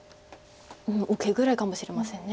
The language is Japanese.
受けぐらいかもしれません。